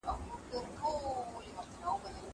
زه قلم نه استعمالوموم.